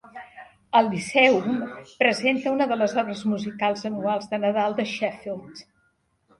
El Lyceum presenta una de les obres musicals anuals de Nadal de Sheffield.